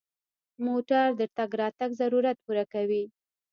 موټر د تګ راتګ ضرورت پوره کوي.